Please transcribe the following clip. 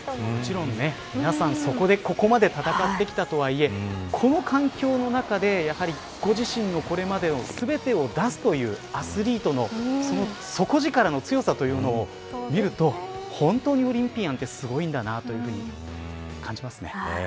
もちろん皆さんそこで、ここまで戦ってきたとはいえこの環境の中で、やはりご自身のこれまでの全てを出すというアスリートの底力の強さというものを見ると本当にオリンピアンってすごいんだなと感じますね。